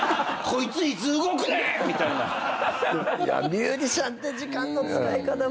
ミュージシャンって時間の使い方難しいな。